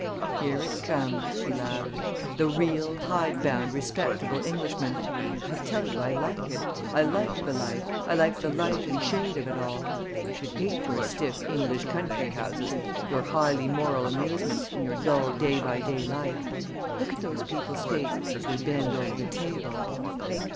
"Here it comes," she laughed; "the real, hidebound, respectable Englishman! I tell you I like it. I like the life; I like the light and shade of it all. I should hate your stiff English country houses, your highly moral amusements, and your dull day by day life. Look at those people's faces as they bend over the table!"